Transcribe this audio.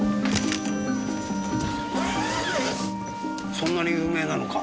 そんなに有名なのか？